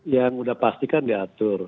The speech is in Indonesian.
yang sudah pastikan diatur